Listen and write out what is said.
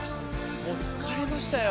もう疲れましたよ。